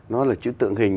nó là chữ tượng hình